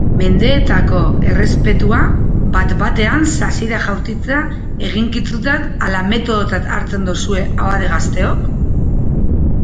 Mendeetako errespetua bat-batean sasira jaurtitzea eginkizuntzat ala metodotzat hartzen dozue abade gazteok?